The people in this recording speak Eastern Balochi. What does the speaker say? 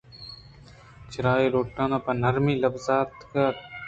چرائی لنٹاں پہ نرمی لبزدراتک اَنت